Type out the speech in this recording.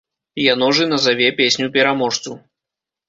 Яно ж і назаве песню-пераможцу.